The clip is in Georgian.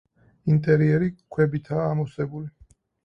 ინტერიერი ქვებითაა ამოვსებული.